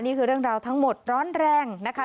นี่คือเรื่องราวทั้งหมดร้อนแรงนะคะ